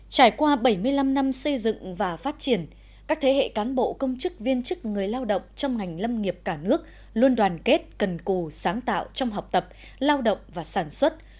trải qua bảy mươi năm năm xây dựng và phát triển các thế hệ cán bộ công chức viên chức người lao động trong ngành lâm nghiệp cả nước luôn đoàn kết cần cù sáng tạo trong học tập lao động và sản xuất